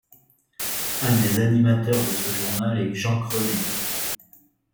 Un des animateurs de ce journal est Jean Cremet.